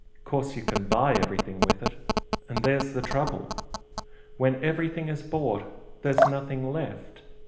course you can buy everything with it and there's the trouble! When everything is bought there's nothing left!